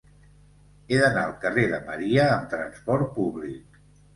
He d'anar al carrer de Maria amb trasport públic.